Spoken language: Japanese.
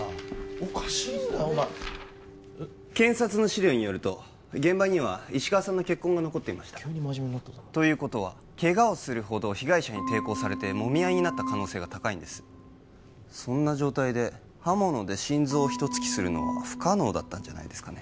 おかしいよお前ビックリしたね検察の資料によると現場には石川さんの血痕が残っていましたということはケガをするほど被害者に抵抗されてもみ合いになった可能性が高いそんな状態で刃物で心臓を一突きするのは不可能だったんじゃないですかね？